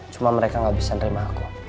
cuma mereka nggak bisa nerima aku